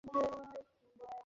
ভালো লাগছে এখন?